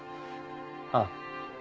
ああ。